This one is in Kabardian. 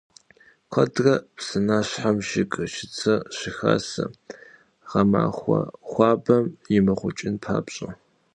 Куэдрэ псынащхьэм жыг, чыцэ щыхасэ, гъэмахуэ хуабэм имыгъукӀын папщӀэ.